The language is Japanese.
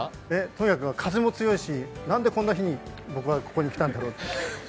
とにかく風も強いし、なんでこんな日に僕がここに来たんだろう。